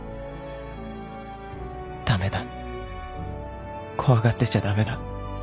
駄目だ怖がってちゃ駄目だ